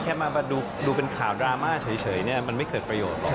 แค่มาดูเป็นข่าวดราม่าเฉยเนี่ยมันไม่เกิดประโยชนหรอก